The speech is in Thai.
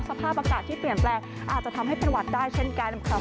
สภาพอากาศที่เปลี่ยนแปลงอาจจะทำให้ประวัติได้เช่นกันค่ะ